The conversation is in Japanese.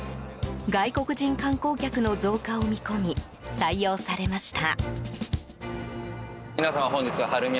外国人観光客の増加を見込み採用されました。